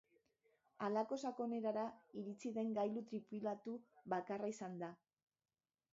Halako sakonerara iritsi den gailu tripulatu bakarra izan da.